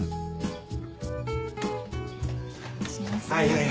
はい。